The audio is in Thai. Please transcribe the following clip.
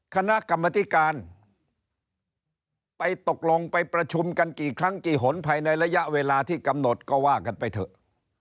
คณะกรรมธิการไปตกลงไปประชุมกันกี่ครั้งกี่หนภายในระยะเวลาที่กำหนดก็ว่ากันไปเถอะ